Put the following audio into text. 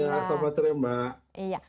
ya selamat terima